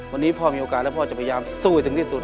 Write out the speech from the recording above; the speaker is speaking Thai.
วันนี้พ่อมีโอกาสแล้วพ่อจะพยายามสู้ให้ถึงที่สุด